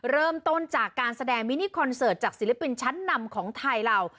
เริ่มต้นจากการแสดงมินิคอนเสิร์ตจากศิลปินชั้นนำของไทยเรา